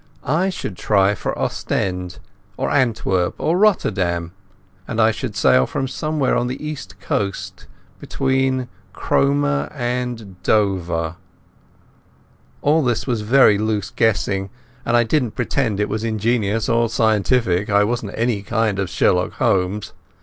I should try for Ostend or Antwerp or Rotterdam, and I should sail from somewhere on the East Coast between Cromer and Dover. All this was very loose guessing, and I don't pretend it was ingenious or scientific. I wasn't any kind of Sherlock Holmes.